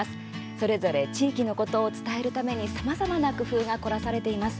それぞれ地域のことを伝えるために、さまざまな工夫が凝らされています。